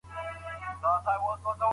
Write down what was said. د وردګو مڼې ترخې نه دي.